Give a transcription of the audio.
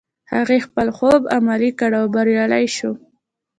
هغه خپل خوب عملي کړ او بريالی شو.